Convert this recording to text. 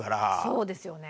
そうですよね。